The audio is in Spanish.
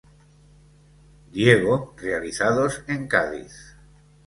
Diego realizados en Cádiz.